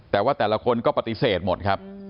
แต่ว่าแต่ละคนก็ปฏิเสธหมดครับ